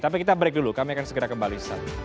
tapi kita break dulu kami akan segera kembali